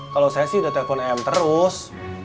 kalau saya sih udah telepon em terus